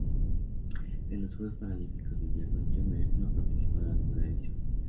En los Juegos Paralímpicos de Invierno Yemen no ha participado en ninguna edición.